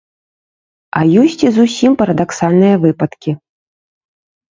А ёсць і зусім парадаксальныя выпадкі.